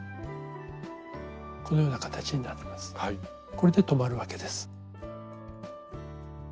これで留まるわけです。